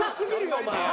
お前。